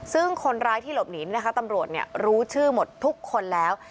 ซึ่งคนร้ายที่หลบหนีนะคะตำรวจรู้ชื่อหมดทุกคนแล้ว